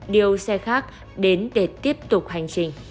điều xe khác đến để tiếp tục hành trình